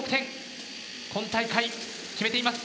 今大会決めています。